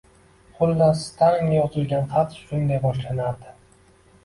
Xullas, Stalinga yozilgan xat shunday boshlanardi